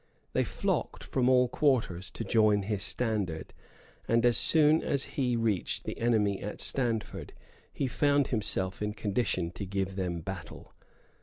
They flocked from all quarters to join his standard; and as soon as he reached the enemy at Standford, he found himself in condition to give them battle.